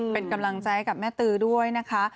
เป็นกำลังใจกับแม่ตือด้วยนะคะ